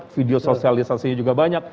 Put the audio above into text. video sosialisasinya juga banyak